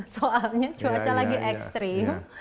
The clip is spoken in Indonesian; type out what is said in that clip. soalnya cuaca lagi ekstrim